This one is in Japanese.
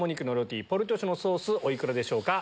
お幾らでしょうか？